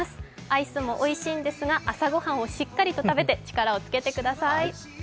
アイスもおいしいんですが、朝御飯をしっかりと食べて力をつけてください。